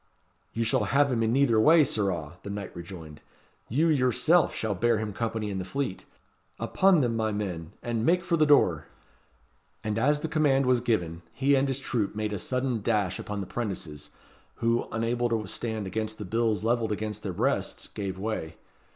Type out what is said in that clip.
"You shall have him in neither way, sirrah," the knight rejoined. "You, yourself, shall bear him company in the Fleet. Upon them, my men, and make for the door!" And as the command was given, he and his troop made a sudden dash upon the 'prentices, who, unable to stand against the bills levelled against their breasts, gave way.